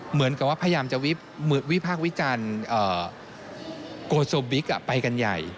เหมือนกับว่าพยายามจะวิพากษ์วิจารณ์โกโซบิ๊กไปกันใหญ่